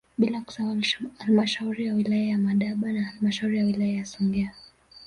Bila kusahau halmashauri ya wilaya ya Madaba na halmashauri ya wilaya ya Songea